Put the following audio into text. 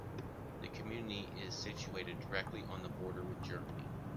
The community is situated directly on the border with Germany.